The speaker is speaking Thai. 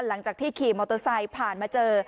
หลังจากที่ขี่มอเตอร์ไซค์ผ่านมาเจอ